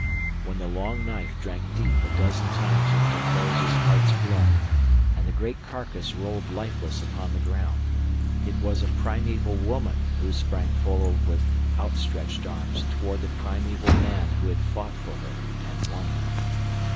When the long knife drank deep a dozen times of Terkoz' heart's blood, and the great carcass rolled lifeless upon the ground, it was a primeval woman who sprang forward with outstretched arms toward the primeval man who had fought for her and won her.